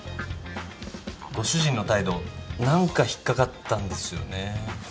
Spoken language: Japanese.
ご主人の態度何か引っ掛かったんですよね。